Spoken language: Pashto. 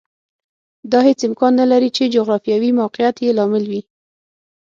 دا هېڅ امکان نه لري چې جغرافیوي موقعیت یې لامل وي